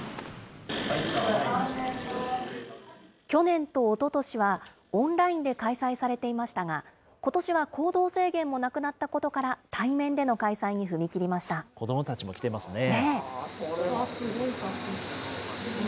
去年とおととしは、オンラインで開催されていましたが、ことしは行動制限もなくなったことから、対面での開催に踏み切り子どもたちも来てますね。